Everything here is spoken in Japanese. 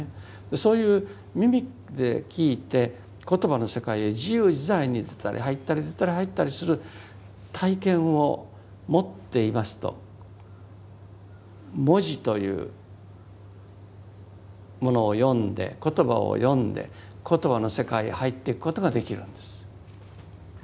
そういう耳で聞いて言葉の世界へ自由自在に出たり入ったり出たり入ったりする体験を持っていますと文字というものを読んで言葉を読んで言葉の世界へ入っていくことができるんです。